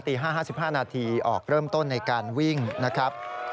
ตี๕๕นาทีออกเริ่มต้นในการวิ่งนะครับ